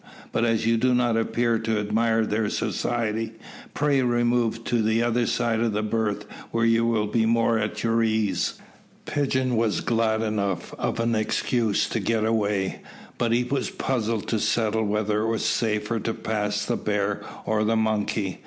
"But as you do not appear to admire their society, pray remove to the other side of the berth, where you will be more at your ease." Pigeon was glad enough of an excuse to get away, but he was puzzled to settle whether it was safer to pass the bear or the monkey.